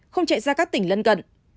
không chạy ra các tỉnh lân cận